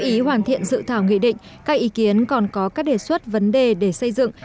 các ý hoàn thiện dự thảo nghị định các ý kiến còn có các đề xuất vấn đề để xây dựng